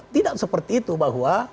tidak seperti itu bahwa